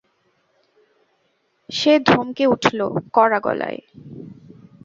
সে ধমকে উঠল কড়া গলায়।